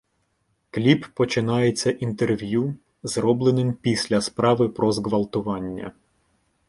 Кліп починається інтерв'ю, зробленим після справи про зґвалтування.